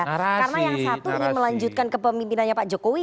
karena yang satu ini melanjutkan kepemimpinannya pak jokowi